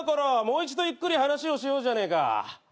もう一度ゆっくり話をしようじゃねえか。